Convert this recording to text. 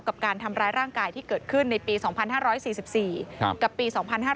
กับการทำร้ายร่างกายที่เกิดขึ้นในปี๒๕๔๔กับปี๒๕๕๙